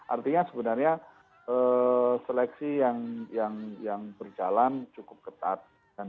artinya sebenarnya seleksi yang berjalan cukup ketat